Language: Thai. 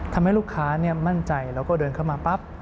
ทำให้ลูกค้ามั่นใจแล้วก็เดินเข้ามาปั๊บ